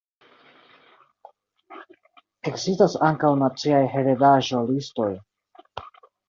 Ekzistas ankaŭ naciaj heredaĵo-listoj.